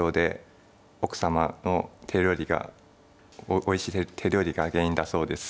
奥様の手料理がおいしい手料理が原因だそうです。